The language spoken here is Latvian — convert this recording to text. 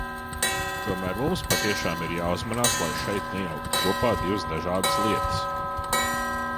Tomēr mums patiešām ir jāuzmanās, lai šeit nejauktu kopā divas dažādas lietas.